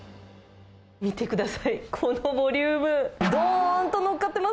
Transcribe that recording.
見てください、このボリューム。